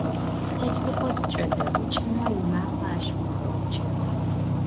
Tipsıxho sıç'ede'uç'me, vumakhe aş khıxe'uç'ı.